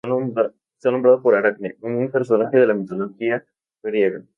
Está nombrado por Aracne, un personaje de la mitología griega.